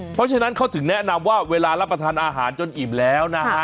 เพราะฉะนั้นเขาถึงแนะนำว่าเวลารับประทานอาหารจนอิ่มแล้วนะฮะ